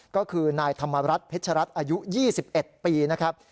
ก็คือนายธรรมรัฐเพชรรศอายุยี่สิบเอ็ดปีนะครับ